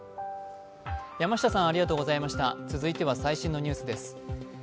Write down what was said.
続いては最新のニュースです。